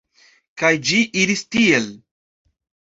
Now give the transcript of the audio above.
Kaj ĝi iris tiel.